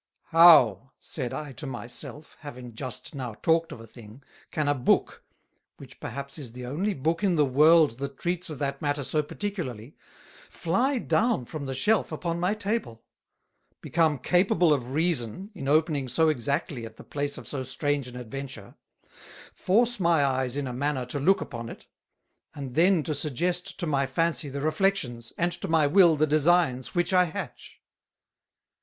"How!" said I to my self, having just now talked of a thing, can a Book, which perhaps is the only Book in the World that treats of that matter so particularly, fly down from the Shelf upon my Table; become capable of Reason, in opening so exactly at the place of so strange an adventure; force my Eyes in a manner to look upon it, and then to suggest to my fancy the Reflexions, and to my Will the Designs which I hatch.